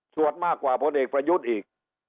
สวดมากกว่าเพราะเอกประยุทธ์อีก